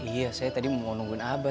iya saya tadi mau nungguin aba